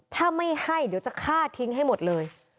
ถ้าไม่ให้เดี๋ยวจะฆ่าทิ้งให้หมดเลย